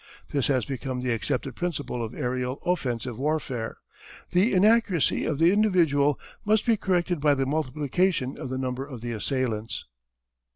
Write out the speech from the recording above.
This has become the accepted principle of aërial offensive warfare. The inaccuracy of the individual must be corrected by the multiplication of the number of the assailants.